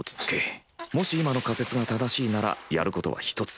もし今の仮説が正しいならやることは１つ。